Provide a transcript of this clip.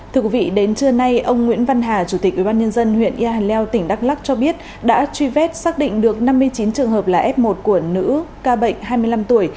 thưa quý vị đến trưa nay ông nguyễn văn hà chủ tịch ubnd huyện yà leo tỉnh đắk lắc cho biết đã truy vết xác định được năm mươi chín trường hợp là f một của nữ ca bệnh hai mươi năm tuổi